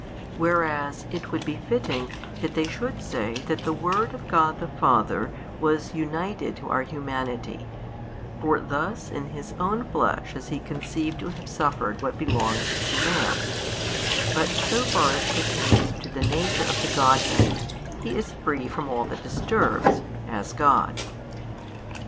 whereas it would be fitting that they should say that the Word of God the Father was united to our humanity, for thus in His own flesh is He conceived to have suffered what belongs to man, but so far as pertains to the Nature of the Godhead, He is free from all that disturbs, as God.